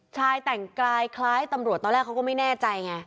ชายแต่งกายคล้ายตำรวจตอนแรกเขาก็ไม่แน่ใจไง